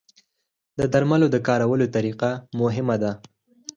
د درملو د کارولو طریقه مهمه ده.